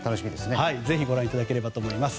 ぜひご覧いただければと思います。